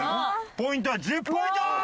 ポイントは１０ポイント！